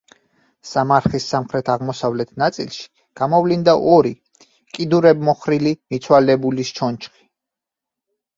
სამარხის სამხრეთ-აღმოსავლეთ ნაწილში გამოვლინდა ორი, კიდურებმოხრილი მიცვალებულის ჩონჩხი.